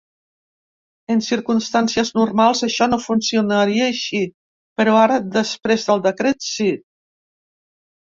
En circumstàncies normals, això no funcionaria així, però ara, després del decret, sí.